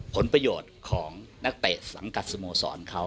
ผลประโยชน์ของนักเตะสังกัดสโมสรเขา